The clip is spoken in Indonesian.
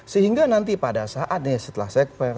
sehingga nanti pada saat setelah sekver